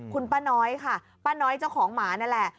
คุณป้าน้อยค่ะป้าน้อยเจ้าของหมานั่นแหละ